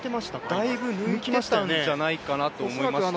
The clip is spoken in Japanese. だいぶ抜いてたんじゃないかと思いまして。